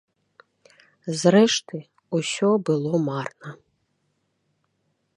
Зрэшты, усё было марна.